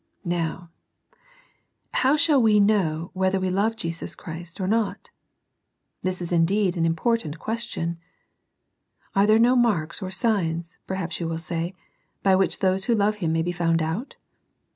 Now, how shall we know whether we love Jesus Christ or not? This is indeed an im portant question. Are there no marks or signs, perhaps you will say, by which those who love Him may be found out ?